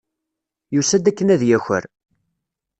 Yusa-d akken ad yaker.